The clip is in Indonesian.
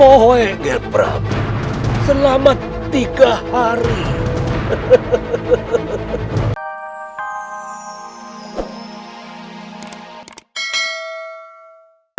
oh enggak berapa selama tiga hari hehehe hehehe hehehe